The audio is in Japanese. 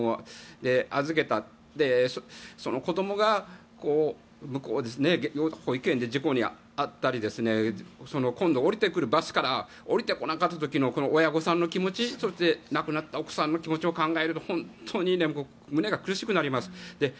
預けた、その子どもが向こうで保育園で事故に遭ったり今度は降りてくるバスから降りてこなかった時の親御さんの気持ちそして、亡くなったお子さんの気持ちを考えると本当に胸が苦しくなります。